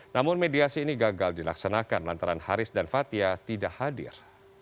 namun mediasi ini gagal dilaksanakan lantaran haris dan fathia tidak hadir